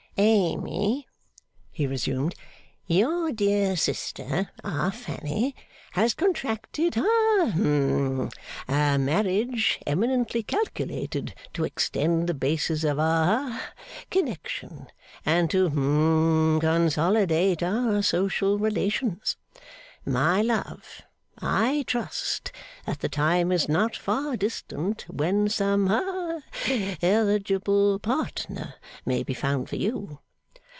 'Amy,' he resumed; 'your dear sister, our Fanny, has contracted ha hum a marriage, eminently calculated to extend the basis of our ha connection, and to hum consolidate our social relations. My love, I trust that the time is not far distant when some ha eligible partner may be found for you.